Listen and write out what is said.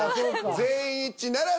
全員一致ならず。